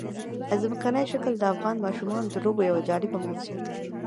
ځمکنی شکل د افغان ماشومانو د لوبو یوه جالبه موضوع ده.